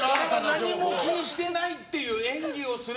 何も気にしてないっていう演技をする